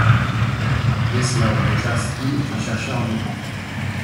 Czesław Bojarski est un chercheur indépendant.